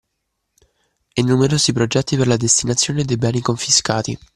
E numerosi progetti per la destinazione dei beni confiscati.